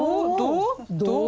どう？